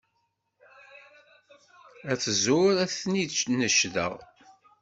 At ẓẓur ad ten-id-necdeɣ.